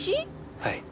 はい。